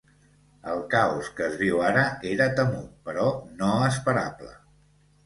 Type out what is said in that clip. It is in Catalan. El caos que es viu ara era temut, però no esperable.